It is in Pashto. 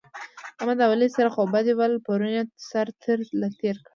احمد او علي سره خوابدي ول؛ پرون يې سره تر له تېر کړل